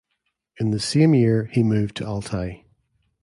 In the same year he moved to Altai.